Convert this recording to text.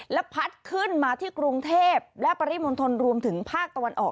และพัดขึ้นมาที่กรุงเทพและปริมณฑลรวมถึงภาคตะวันออก